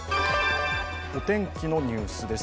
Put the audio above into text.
お天気のニュースです。